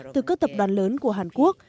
từ các tập đoàn lớn của hàn quốc